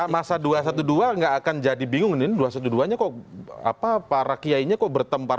masa dua ratus dua belas nggak akan jadi bingung nih dua ratus dua belas nya kok apa para kiainya kok bertempar